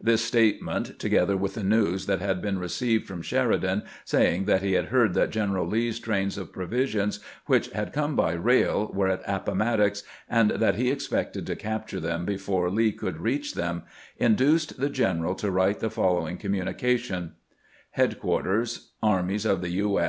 This statement, together with the news that had been received from Sheridan, saying that he had heard that General Lee's trains of provi sions, which had come by rail, were at Appomattox, and that he expected to capture them before Lee could reach them, induced the general to write the following com munication : Headquaetees, Armies of the U.